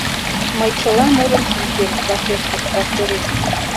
Мый чыла мурым шинчем, — вашештыш тракторист.